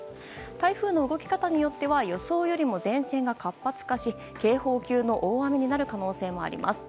台風の動き方によっては予想よりも前線が活発化し警報級の大雨になる可能性もあります。